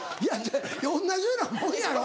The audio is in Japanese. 同じようなもんやろ？